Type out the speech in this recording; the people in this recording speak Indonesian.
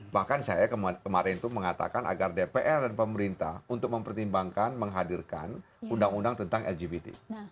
bahkan saya kemarin itu mengatakan agar dpr dan pemerintah untuk mempertimbangkan menghadirkan undang undang tentang lgbt